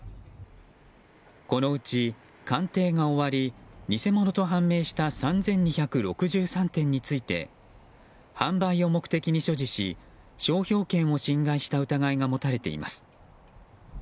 このうち鑑定が終わり偽物と判明した３２６３点について販売を目的に所持し商標権を侵害した疑いが持たれています。